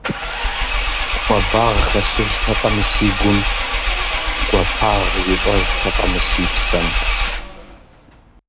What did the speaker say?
Хуабагъ хэлъыжтэкъэ мы си гум, гуапагъ ищӀэжтэкъэ мы си псэм?